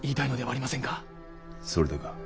それでか。